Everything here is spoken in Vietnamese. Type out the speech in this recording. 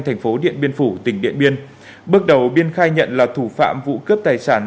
thành phố điện biên phủ tỉnh điện biên bước đầu biên khai nhận là thủ phạm vụ cướp tài sản